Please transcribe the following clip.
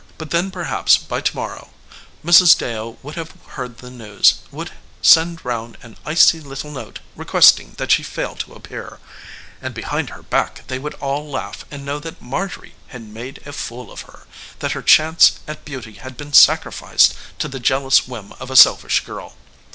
But then perhaps by to morrow Mrs. Deyo would have heard the news; would send round an icy little note requesting that she fail to appear and behind her back they would all laugh and know that Marjorie had made a fool of her; that her chance at beauty had been sacrificed to the jealous whim of a selfish girl.